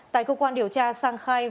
tại cơ quan điều tra sang khai